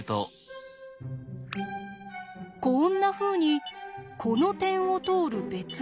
こんなふうにこの点を通る別の直線